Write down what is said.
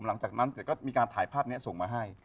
หลังจากนั้นก็มีการถ่ายภาพนี้ส่งมาให้